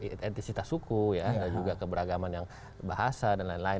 identitas suku dan juga keberagaman yang bahasa dan lain lain